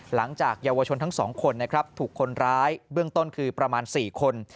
หลังจากเยาวชนทั้ง๒คนนะครับถูกคนร้ายเบื้องต้นคือประมาณ๔คน